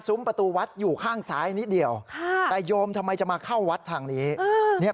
ประตูวัดอยู่ข้างซ้ายนิดเดียวค่ะแต่โยมทำไมจะมาเข้าวัดทางนี้เนี่ย